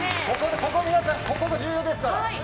ここ皆さん、ここ重要ですから。